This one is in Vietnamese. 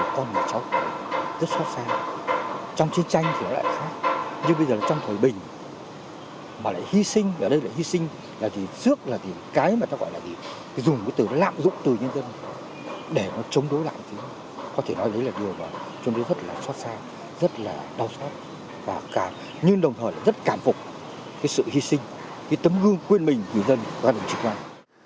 trong đó rất là xót xa rất là đau xót nhưng đồng thời rất là cảm phục sự hy sinh tấm gương quyền mình của dân và đồng chí của anh